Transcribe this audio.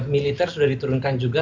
militer sudah diturunkan juga